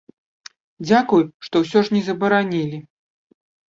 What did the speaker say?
Дзякуй, што ўсё ж не забаранілі!